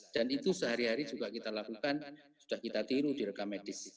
itu sehari hari juga kita lakukan sudah kita tiru di rekam medis